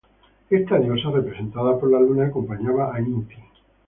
Esta diosa, representada por la Luna, acompañaba a Inti.